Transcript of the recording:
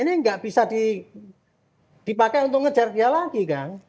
tidak bisa dipakai untuk mengejar dia lagi gang